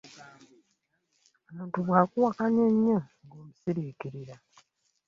Omuntu bwakuwakanya ennyo nga omusirikirira .